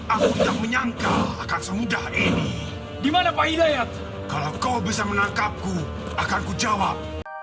aku tidak menyangka akan semudah ini di mana pak hidayat kalau kau bisa menangkapku akan ku jawab